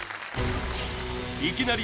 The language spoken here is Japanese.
いきなり！